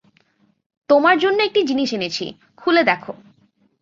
তোমার জন্যে একটি জিনিস এনেছি খুলে দেখো।